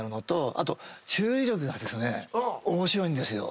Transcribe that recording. あと注意力がですね面白いんですよ。